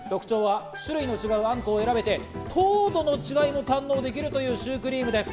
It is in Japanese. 特徴は種類の違うあんこを選べて、糖度の違いも堪能できるというシュークリームです。